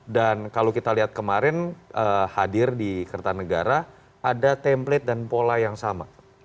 dan kalau kita lihat kemarin hadir di kertanegara ada template dan pola yang sama